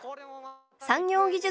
産業技術